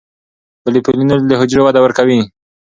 پولیفینول د حجرو وده ورو کوي.